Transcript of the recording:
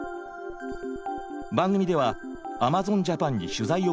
番組ではアマゾンジャパンに取材を申し込みました。